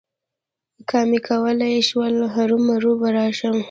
که مې کولای شول، هرومرو به راشم.